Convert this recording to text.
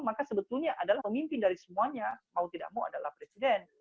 maka sebetulnya adalah pemimpin dari semuanya mau tidak mau adalah presiden